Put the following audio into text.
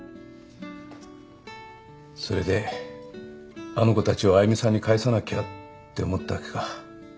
それであの子たちをあゆみさんに返さなきゃって思ったわけか。